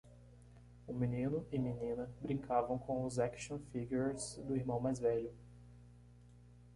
O menino e menina brincavam com os action figures do irmão mais velho.